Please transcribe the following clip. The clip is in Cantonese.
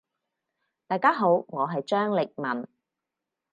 大家好，我係張力文。